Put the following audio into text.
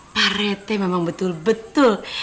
pak rete memang betul betul